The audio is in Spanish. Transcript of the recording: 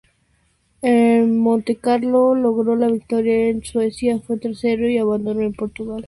En Montecarlo logró la victoria, en Suecia fue tercero y abandonó en Portugal.